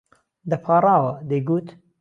دەپاڕاوە، دەیگوت: